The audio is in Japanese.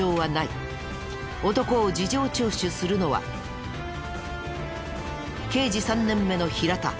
男を事情聴取するのは刑事３年目の平田。